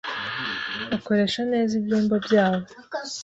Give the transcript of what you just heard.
Bakoresha neza ibyumba byabo.